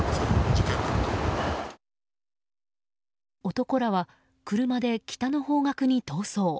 男らは車で北の方角に逃走。